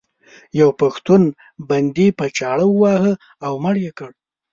یو پښتون بندي په چاړه وواهه او مړ یې کړ.